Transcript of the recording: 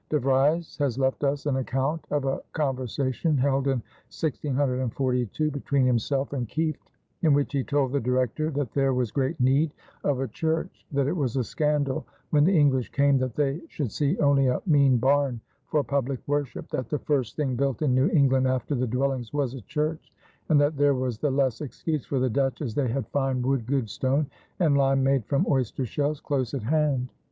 De Vries has left us an account of a conversation held in 1642 between himself and Kieft in which he told the Director that there was great need of a church, that it was a scandal when the English came that they should see only a mean barn for public worship, that the first thing built in New England after the dwellings was a church, and that there was the less excuse for the Dutch as they had fine wood, good stone, and lime made from oyster shells, close at hand.